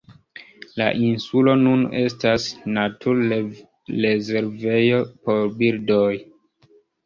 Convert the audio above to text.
La insulo nun estas naturrezervejo por birdoj.